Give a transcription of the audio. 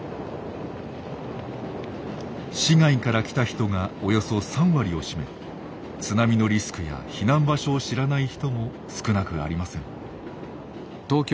市外から来た人がおよそ３割を占め津波のリスクや避難場所を知らない人も少なくありません。